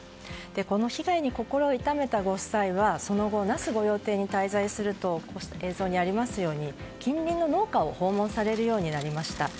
この被害に心を痛めたご夫妻はその後、那須御用邸に滞在すると映像にありますように近隣の農家を訪問されるようになりました。